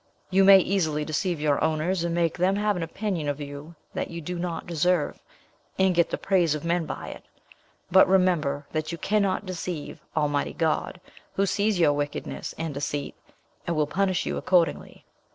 You may easily deceive your owners, and make them have an opinion of you that you do not deserve, and get the praise of men by it; but remember that you cannot deceive Almighty God, who sees your wickedness and deceit, and will punish you accordingly.